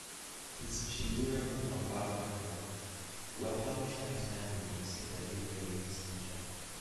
His shiurim on Bava Kama were published by his family in "Sefer Divrei Simcha".